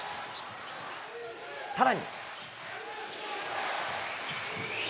さらに。